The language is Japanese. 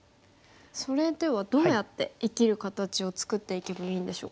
それではどうやって生きる形を作っていけばいいんでしょうか？